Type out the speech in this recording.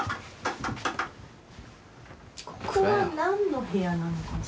ここは何の部屋なのかしら？